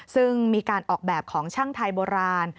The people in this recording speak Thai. ซึ่งมีการออกแบบของช่างไทยโบราณ